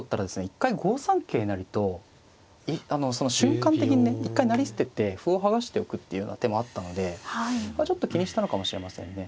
一回５三桂成と瞬間的にね一回成り捨てて歩を剥がしておくっていうような手もあったのでちょっと気にしたのかもしれませんね。